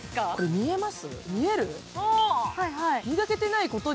見えます？